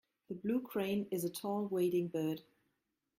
A blue crane is a tall wading bird.